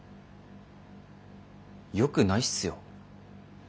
よくないすよ。